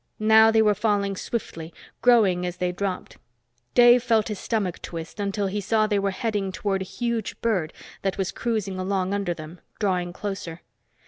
Now they were falling swiftly, growing as they dropped. Dave felt his stomach twist, until he saw they were heading toward a huge bird that was cruising along under them, drawing closer.